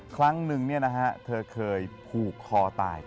ครั้งหนึ่งเธอเคยผูกคอตาย